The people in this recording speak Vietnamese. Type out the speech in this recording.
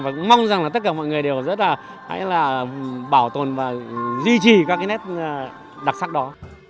và cũng mong rằng là tất cả mọi người đều rất là hãy là bảo tồn và duy trì các cái nét đặc sắc đó